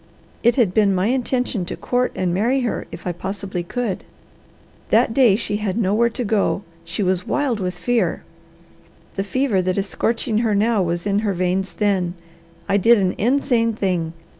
It had been my intention to court and marry her if I possibly could. That day she had nowhere to go; she was wild with fear; the fever that is scorching her now was in her veins then. I did an insane thing.